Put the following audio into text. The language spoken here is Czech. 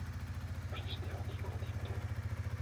Uprostřed je velký kulatý medailon.